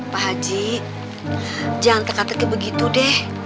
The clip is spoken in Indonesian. pak haji jangan teka teki begitu deh